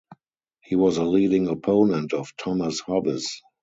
He was a leading opponent of Thomas Hobbes.